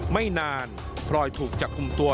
ไม่นานพลอยถูกจับกลุ่มตัว